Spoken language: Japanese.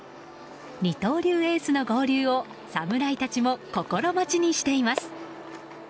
二刀流エースの合流を侍たちも心待ちにしています。